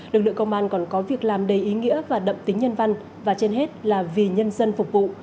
lực lượng công an còn có việc làm đầy ý nghĩa và đậm tính nhân văn và trên hết là vì nhân dân phục vụ